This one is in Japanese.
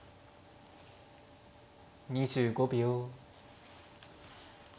２５秒。